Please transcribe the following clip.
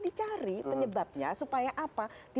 dicari penyebabnya supaya apa